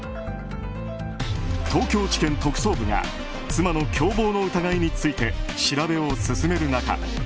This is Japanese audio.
東京地検特捜部が妻の共謀の疑いについて調べを進める中